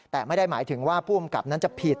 แต่ไม่ได้หมายถึงว่าผู้อำกับนั้นจะผิด